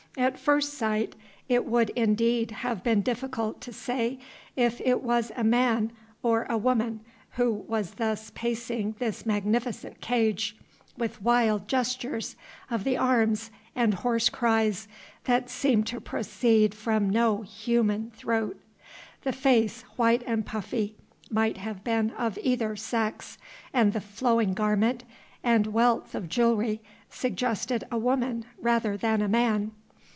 At first sight it would indeed have been difficult to say if it was a man or a woman who was thus pacing this magnificent cage, with wild gestures of the arms and hoarse cries that seemed to proceed from no human throat. The face, white and puffy, might have been of either sex, and the flowing garment and wealth of jewellery suggested a woman rather than a man.